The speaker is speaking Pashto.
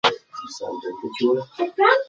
رېدي د هېواد لپاره خپله شخصي مینه قربان کړه.